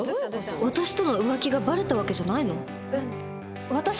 私との浮気がバレたわけじゃないの？